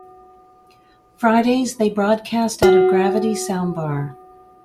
Fridays they broadcast out of Gravity Soundbar.